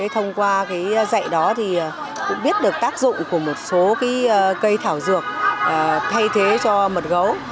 thông qua dạy đó cũng biết được tác dụng của một số cây thảo dược thay thế cho mật gấu